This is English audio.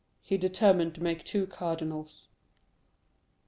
He determined to make two cardinals.